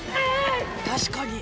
確かに。